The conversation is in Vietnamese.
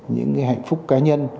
những hạnh phúc cá nhân